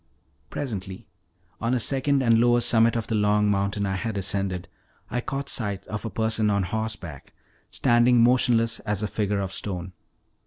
Presently, on a second and lower summit of the long mountain I had ascended, I caught sight of a person on horseback, standing motionless as a figure of stone.